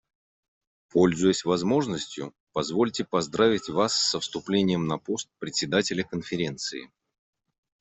Пользуясь возможностью, позвольте поздравить Вас со вступлением на пост Председателя Конференции.